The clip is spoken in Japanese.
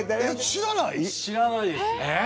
知らないです。